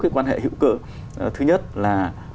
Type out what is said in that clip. quan hệ hữu cỡ thứ nhất là